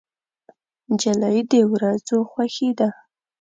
نجلۍ د ورځو خوښي ده.